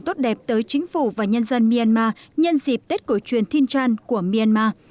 tốt đẹp tới chính phủ và nhân dân myanmar nhân dịp tết cổ truyền thiên chan của myanmar